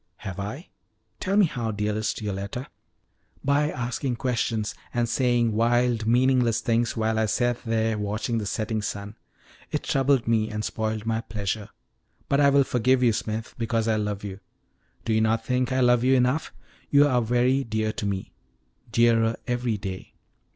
"Have I? Tell me how, dearest Yoletta." "By asking questions, and saying wild, meaningless things while I sat there watching the setting sun. It troubled me and spoiled my pleasure; but I will forgive you, Smith, because I love you. Do you not think I love you enough? You are very dear to me dearer every day."